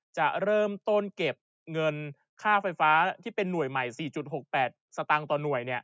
จะเริ่มต้นเก็บเงินค่าไฟฟ้าที่เป็นหน่วยใหม่๔๖๘สตางค์ต่อหน่วย